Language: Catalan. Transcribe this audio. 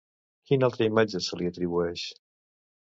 Quina altra imatge se li atribueix?